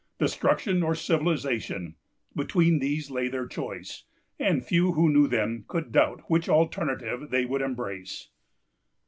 Destruction or civilization——between these lay their choice; and few who knew them could doubt which alternative they would embrace.